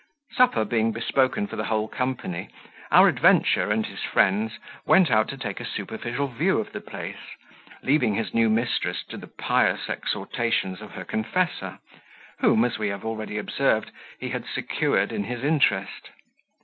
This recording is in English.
Supper being bespoken for the whole company, our adventurer and his friends went out to take a superficial view of the place, leaving his new mistress to the pious exhortations of her confessor, whom, as we have already observed, he had secured in his interest.